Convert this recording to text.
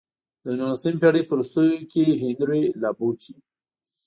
د نولسمې پېړۍ په وروستیو کې هنري لابوچي.